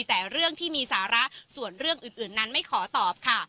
แต่เรื่องที่มีสาระส่วนเรื่องอื่นนั้นไม่ขอตอบค่ะ